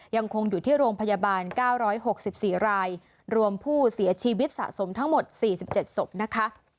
ยังคงอยู่ที่โรงพยาบาล๙๖๔รายรวมผู้เสียชีวิตสะสมทั้งหมด๔๗ศพนะคะ